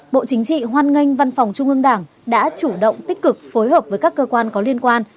bộ chính trị hoan nghênh văn phòng trung ương đảng đã chủ động tích cực phối hợp với các cơ quan có liên quan